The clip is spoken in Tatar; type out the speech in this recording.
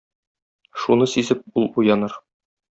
Шуны сизеп, ул уяныр.